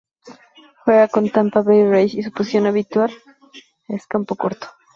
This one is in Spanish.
Juega para Tampa Bay Rays y su posición habitual es campocorto.